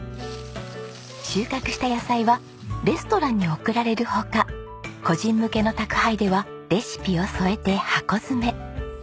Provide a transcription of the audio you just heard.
収穫した野菜はレストランに送られる他個人向けの宅配ではレシピを添えて箱詰め。